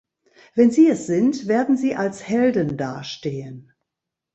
Wenn sie es sind, werden sie als Helden dastehen.